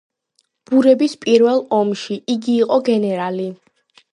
ბურების პირველ ომში იგი იყო გენერალი.